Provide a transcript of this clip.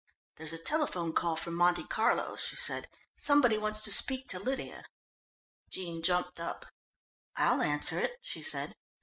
"There's a telephone call from Monte Carlo," she said. "Somebody wants to speak to Lydia." Jean jumped up. "I'll answer it," she said.